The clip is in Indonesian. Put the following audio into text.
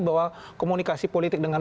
bahwa komunikasi politik dengan